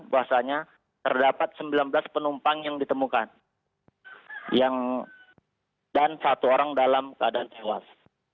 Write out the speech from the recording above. bahwasanya terdapat sembilan belas penumpang yang ditemukan dan satu orang dalam keadaan tewas